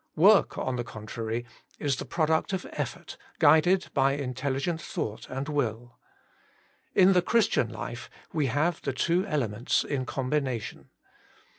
Work, on the contrary, is the product of effort guided by intelligent thought and will. In the Christian life we have the two elements in combination.